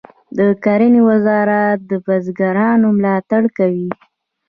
د کرنې وزارت د بزګرانو ملاتړ کوي